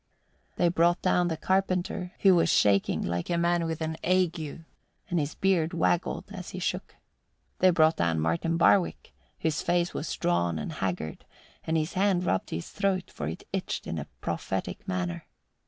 They brought down the carpenter, who was shaking like a man with an ague, and his beard waggled as he shook. They brought down Martin Barwick, whose face was drawn and haggard, and his hand rubbed his throat, for it itched in a prophetic manner.